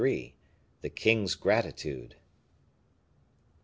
The King's Gratitude.